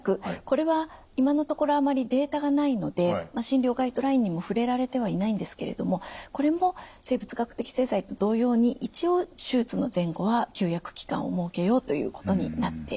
これは今のところあまりデータがないので診療ガイドラインにも触れられてはいないんですけれどもこれも生物学的製剤と同様に一応手術の前後は休薬期間を設けようということになっています。